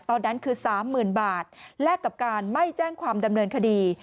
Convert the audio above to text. ตอนนั้นคือ๓๐๐๐บาทแลกกับการไม่แจ้งความดำเนินคดี